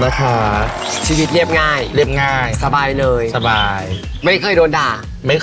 แล้วที่แม้งตัญเหนียได้ไหม